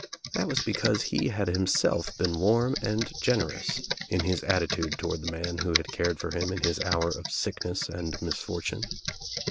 That was '• because he had himself been warm and generous in his attitude toward the man who had cared for him in his hour of sickness and misfortune.